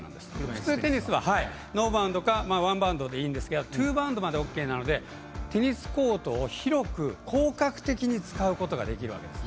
普通テニスはノーバウンドかワンバウンドまでいいんですけれどもツーバウンドまでＯＫなのでテニスコートを広く広角的に使うことができるわけなんです。